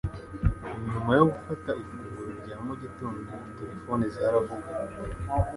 Nyuma yo gufata ifunguro rya mu gitondo terefone zaravugaga